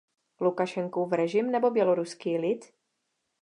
Lukašenkův režim nebo běloruský lid?